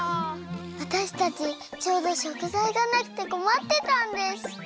わたしたちちょうどしょくざいがなくてこまってたんです。